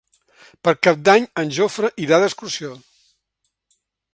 Per Cap d'Any en Jofre irà d'excursió.